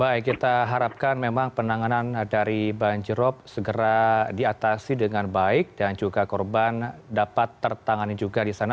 baik kita harapkan memang penanganan dari banjirop segera diatasi dengan baik dan juga korban dapat tertangani juga di sana